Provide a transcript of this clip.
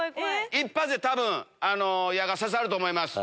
一発で多分矢が刺さると思います。